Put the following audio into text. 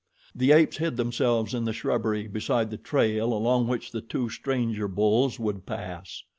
The apes hid themselves in the shrubbery beside the trail along which the two stranger bulls would pass.